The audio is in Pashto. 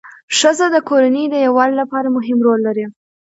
ښځه د کورنۍ د یووالي لپاره مهم رول لري